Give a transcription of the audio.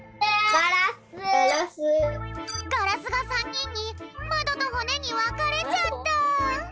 「ガラス」が３にんに「まど」と「ほね」にわかれちゃった。